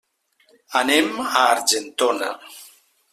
Anem a Argentona.